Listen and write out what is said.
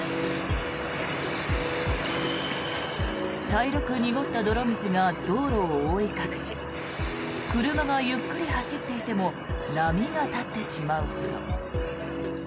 茶色く濁った泥水が道路を覆い隠し車がゆっくり走っていても波が立ってしまうほど。